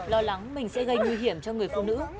lo lắng mình sẽ gây nguy hiểm cho người phụ nữ